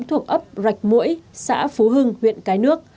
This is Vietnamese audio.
thuộc ấp rạch mũi xã phú hưng huyện cái nước